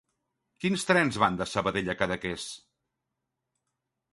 Quins trens van de Sabadell a Cadaqués?